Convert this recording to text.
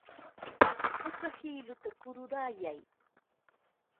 Puka hiluta kururayay.